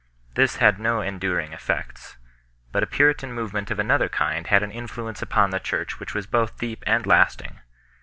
This had no enduring effects ; but a puritan movement of another kind had an influence upon the Church which was both deep and lasting.